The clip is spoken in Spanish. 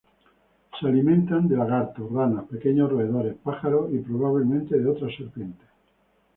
Se alimentan de lagartos, ranas, pequeños roedores, pájaros y probablemente de otras serpientes.